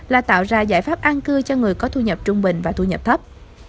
là tạo ra giải pháp an cư cho người có thu nhập trung tâm